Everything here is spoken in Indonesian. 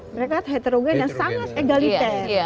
mereka heterogen yang sangat egaliter